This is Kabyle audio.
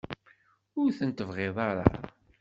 Ur ten-tebɣiḍ ara?